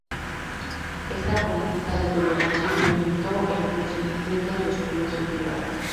Esta política de tolerancia incrementó el resentimiento de los pueblos del Litoral.